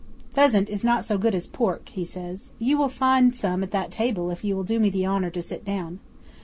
'"Pheasant is not so good as pork," he says. "You will find some at that table if you will do me the honour to sit down.